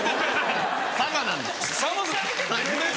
佐賀なんです。